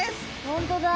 本当だ。